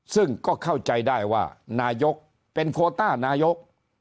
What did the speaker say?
ซึ่งก็เข้าใจได้ว่านายกเป็นโคต้านายก